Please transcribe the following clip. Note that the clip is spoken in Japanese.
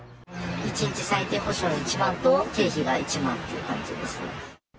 １日最低保証の１万と、経費が１万っていう感じです。